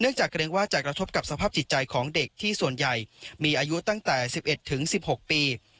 จากเกรงว่าจะกระทบกับสภาพจิตใจของเด็กที่ส่วนใหญ่มีอายุตั้งแต่๑๑ถึง๑๖ปี